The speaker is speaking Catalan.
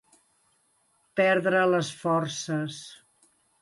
Perdre les forces.